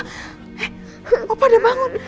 eh opa udah bangun